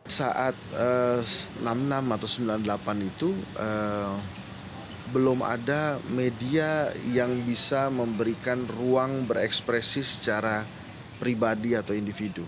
pada tahun seribu sembilan ratus enam puluh enam atau seribu sembilan ratus sembilan puluh delapan itu belum ada media yang bisa memberikan ruang berekspresi secara pribadi atau individu